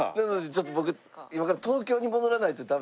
ちょっと僕今から東京に戻らないとダメ。